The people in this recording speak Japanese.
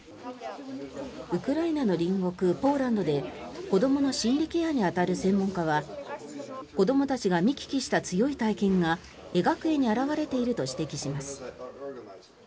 ウクライナの隣国ポーランドで子どもの心理ケアに当たる専門家は子どもたちが見聞きした強い体験が描く絵に表れていると指摘しています。